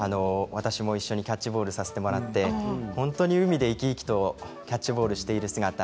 私も一緒にキャッチボールをさせてもらって海で本当に生き生きとキャッチボールをしていて。